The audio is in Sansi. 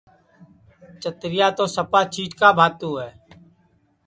چترِیا تو سپا چِیٹکا بھاتُو ہے